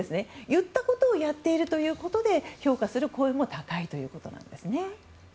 言ったことをやっているということで評価する声も高いということなんですね。